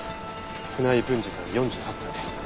船井文治さん４８歳。